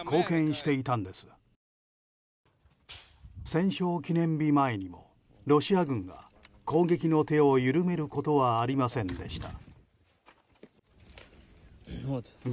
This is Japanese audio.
戦勝記念日前にロシア軍が攻撃の手を緩めることはありませんでした。